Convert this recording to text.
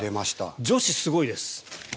女子、すごいです。